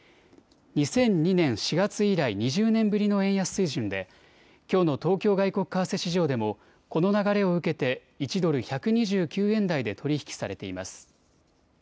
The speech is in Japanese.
２００２年４月以来、２０年ぶりの円安水準できょうの東京外国為替市場でもこの流れを受けて１ドル１２９円台で取り引きされています。